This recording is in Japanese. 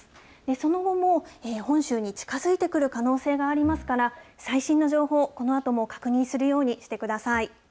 その後も本州に近づいてくる可能性がありますから、最新の情報、このあとも確認するようにしてください。